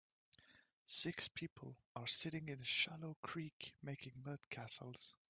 Six people are sitting in a shallow creek making mud castles.